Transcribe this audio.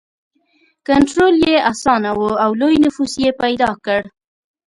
کنټرول یې اسانه و او لوی نفوس یې پیدا کړ.